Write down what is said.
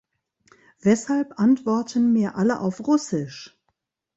Weshalb antworten mir alle auf Russisch?